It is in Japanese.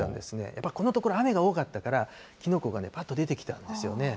やっぱりこのところ、雨が多かったから、キノコがぱっと出てきたんですよね。